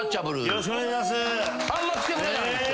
よろしくお願いします。